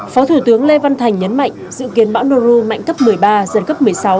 phó thủ tướng lê văn thành nhấn mạnh dự kiến bão nu mạnh cấp một mươi ba giật cấp một mươi sáu